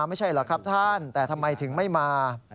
ไม่ใช่เหรอครับท่านแต่ทำไมถึงไม่มา